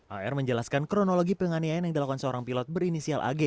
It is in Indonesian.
ar menjelaskan kronologi penganiayaan yang dilakukan seorang pilot berinisial ag